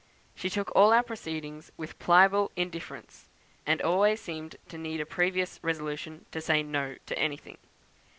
She took all our proceedings with pliable indifference, and always seemed to need a previous resolution to say 'No' to anything.